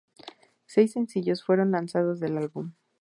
Seis sencillos fueron lanzados del álbum.